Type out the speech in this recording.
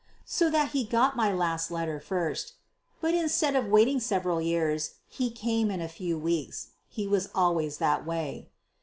So that he got my last letter first. But instead of waiting several years, he came in a few weeks. He was always that way.